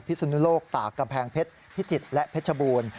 สุนุโลกตากกำแพงเพชรพิจิตรและเพชรบูรณ์